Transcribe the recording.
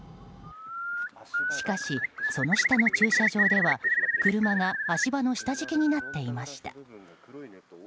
しかしその下の駐車場では、車が足場の下敷きになっていました。